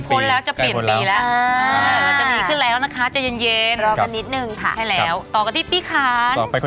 แม่บ้านประจันบัน